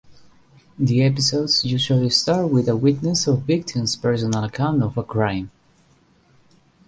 The episodes usually start with a witness or victim's personal account of a crime.